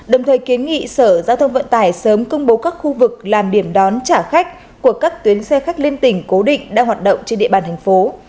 đồng thời kiến nghị sở giao thông vận tải sớm công bố các khu vực làm điểm đón trả khách của các tuyến xe khách liên tỉnh cố định đang hoạt động trên địa bàn thành phố